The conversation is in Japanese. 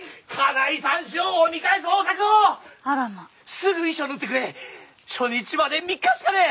すぐ衣装を縫ってくれ初日まで３日しかねえ！